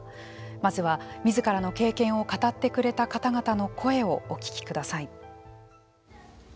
まずは、みずからの経験を語ってくれた方々の声をお聞きください。